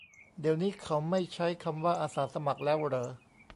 เดี๋ยวนี้เขาไม่ใช้คำว่า "อาสาสมัคร" แล้วเหรอ